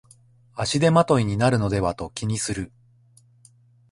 足手まといになるのではと気にする